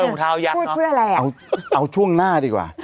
ถูกเท้ายัดเนาะคือเพื่ออะไรอ่ะเอาช่วงหน้าดีกว่า